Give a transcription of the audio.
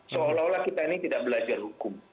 seolah olah kita ini tidak belajar hukum